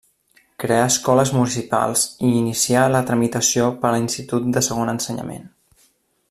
Creà escoles municipals i inicià la tramitació per a l'institut de segon ensenyament.